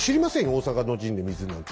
大坂の陣で水なんて。